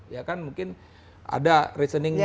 ya kan mungkin ada reasoning di luar